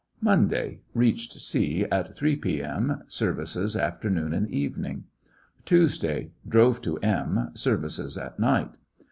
Monday. Reached C at 3 p.m. Ser vices afternoon and evening. Tuesday. Drove to M . Services at night.